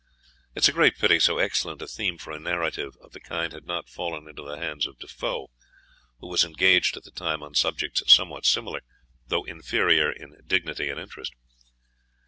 It is great pity so excellent a theme for a narrative of the kind had not fallen into the hands of De Foe, who was engaged at the time on subjects somewhat similar, though inferior in dignity and interest.